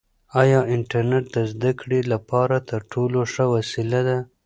آیا انټرنیټ د زده کړې لپاره تر ټولو ښه وسیله ده؟